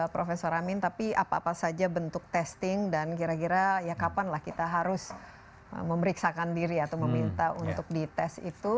profesor amin tapi apa apa saja bentuk testing dan kira kira ya kapan lah kita harus memeriksakan diri atau meminta untuk dites itu